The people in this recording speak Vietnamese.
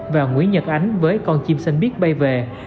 và nguyễn nhật ánh với con chim sân biết bay về